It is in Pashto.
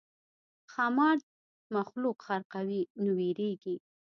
ښامار مخلوق غرقوي نو وېرېږي.